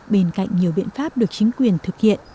bên cạnh nhiều biện pháp được chính quyền thực hiện